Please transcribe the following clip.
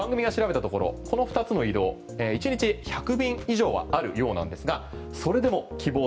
番組が調べたところこの２つの移動１日１００便以上はあるようなんですが